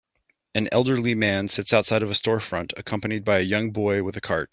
An elderly man sits outside a storefront accompanied by a young boy with a cart.